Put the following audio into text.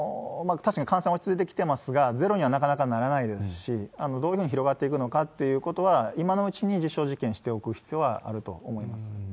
確かに感染は落ち着いてきてますが、ゼロにはなかなかならないですし、どういうふうに広がっていくのかっていうことは、今のうちに実証実験しておく必要はあると思います。